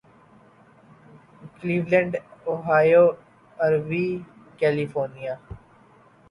Cleveland Ohio Aruvi California